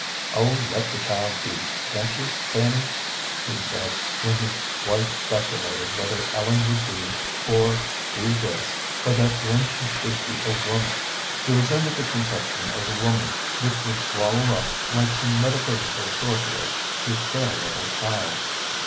"Oh, let the child be, can't you, Fanny?" he said, when his wife speculated whether Ellen would be or do this or that when she should be a woman. He resented the conception of the woman which would swallow up, like some metaphysical sorceress, his fair little child.